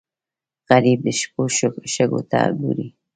غریب د شپو شګو ته ګوري